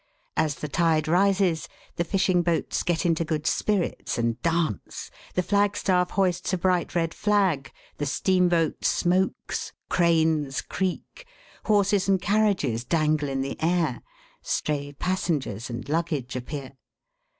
As the tide rises, the fishing boats get into good spirits and dance, the flagstaff hoists a bright red flag, the steamboat smokes, cranes creak, horses and carriages dangle in the air, stray passengers and luggage appear.